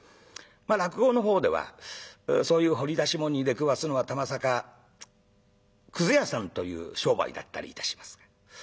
落語のほうではそういう掘り出し物に出くわすのはたまさかくず屋さんという商売だったりいたしますが。